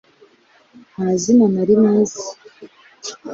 nta zina na rimwe nzi